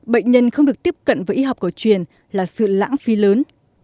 bệnh nhân không được tiếp cận với y học cổ truyền là sự lãng phí lớn